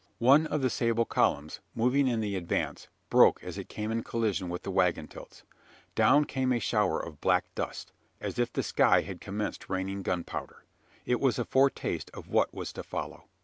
One of the sable columns, moving in the advance, broke as it came in collision with the waggon tilts. Down came a shower of black dust, as if the sky had commenced raining gunpowder! It was a foretaste of what was to follow.